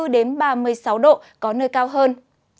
đến ba mươi sáu độ có nơi cao hơn